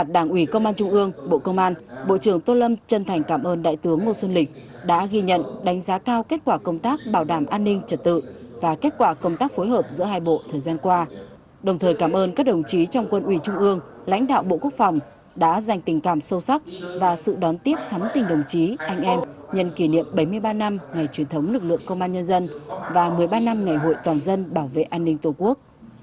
đảng ủy công an trung ương bộ công an bộ trưởng tô lâm chân thành cảm ơn đại tướng ngô xuân lịch đã ghi nhận đánh giá cao kết quả công tác bảo đảm an ninh trật tự và kết quả công tác phối hợp giữa hai bộ thời gian qua đồng thời cảm ơn các đồng chí trong quân ủy trung ương lãnh đạo bộ quốc phòng đã dành tình cảm sâu sắc và sự đón tiếp thắm tình đồng chí anh em nhận kỷ niệm bảy mươi ba năm ngày truyền thống lực lượng công an nhân dân và một mươi ba năm ngày hội toàn dân bảo vệ an ninh tổ quốc